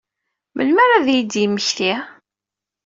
Melmi ara ad t-id-yemmekti?